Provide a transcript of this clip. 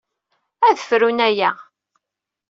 Ad frun aya.